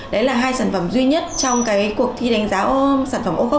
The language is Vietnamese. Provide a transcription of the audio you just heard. đấy là hai sản phẩm duy nhất trong cuộc thi đánh giá sản phẩm ô cốp